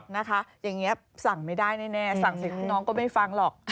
นะคะอย่างนี้สั่งไม่ได้แน่สั่งเสร็จน้องก็ไม่ฟังหรอก